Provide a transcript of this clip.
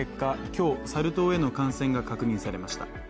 今日、サル痘への感染が確認されました。